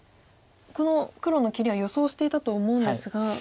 この黒の切りは予想していたと思うんですが。